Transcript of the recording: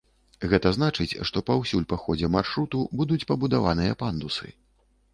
Гэта значыць, што паўсюль па ходзе маршруту будуць пабудаваныя пандусы.